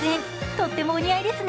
とってもお似合いですね。